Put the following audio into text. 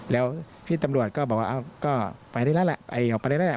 แล้วพี่ตำรวจก็บอกว่าก็ไปได้แล้วแหละออกไปได้แล้วแหละ